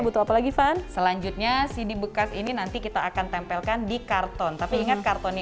butuh apa lagi van selanjutnya cd bekas ini nanti kita akan tempelkan di karton tapi ingat kartonnya